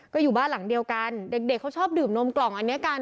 ก็อยู่บ้านหลังเดียวกันเด็กเด็กเขาชอบดื่มนมกล่องอันนี้กัน